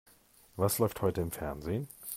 Was läuft heute im Fernsehen?